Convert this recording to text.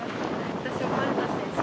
私も丸田選手。